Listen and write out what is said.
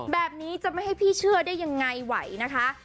แบบนี้จะไม่ให้พี่เชื่อได้ยังไงไหวนะคะ